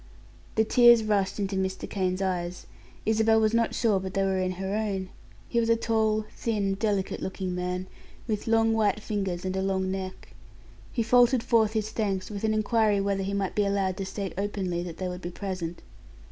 The tears rushed into Mr. Kane's eyes; Isabel was not sure but they were in her own. He was a tall, thin, delicate looking man, with long, white fingers, and a long neck. He faltered forth his thanks with an inquiry whether he might be allowed to state openly that they would be present.